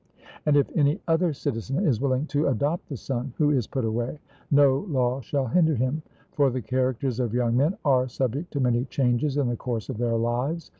And if any other citizen is willing to adopt the son who is put away, no law shall hinder him; for the characters of young men are subject to many changes in the course of their lives.